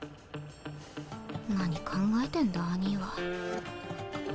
何考えてんだ兄ィは。